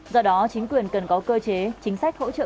do đó chính quyền cần có cơ chế chính sách hỗ trợ